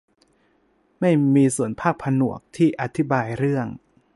ไม่มีส่วนภาคผนวกที่อธิบายเรื่อง